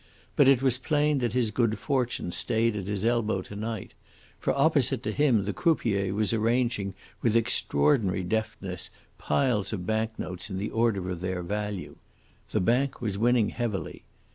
But it was plain that his good fortune stayed at his elbow to night, for opposite to him the croupier was arranging with extraordinary deftness piles of bank notes in the order of their value. The bank was winning heavily.